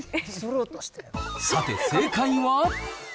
さて、正解は。